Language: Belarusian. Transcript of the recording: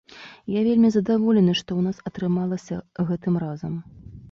Я вельмі задаволены, што ў нас атрымалася гэтым разам.